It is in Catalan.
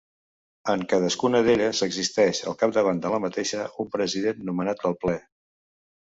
En cadascuna d'elles existeix, al capdavant de la mateixa, un President nomenat pel Ple.